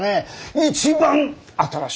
一番新しい！